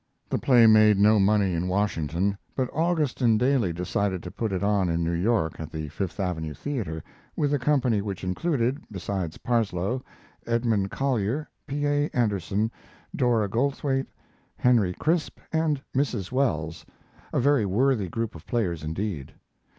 The play made no money in Washington, but Augustin Daly decided to put it on in New York at the Fifth Avenue Theater, with a company which included, besides Parsloe, Edmund Collier, P. A. Anderson, Dora Goldthwaite, Henry Crisp, and Mrs. Wells, a very worthy group of players indeed.